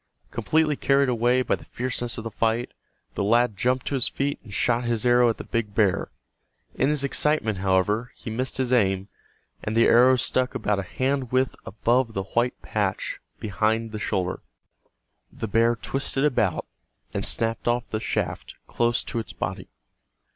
Completely carried away by the fierceness of the fight, the lad jumped to his feet and shot his arrow at the big bear. In his excitement, however, he missed his aim, and the arrow struck about a hand width above the white patch behind the shoulder. The bear twisted about and snapped off the shaft close to its body.